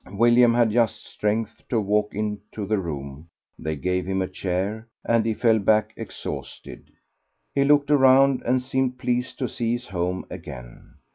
William had just strength to walk into the room; they gave him a chair, and he fell back exhausted. He looked around, and seemed pleased to see his home again.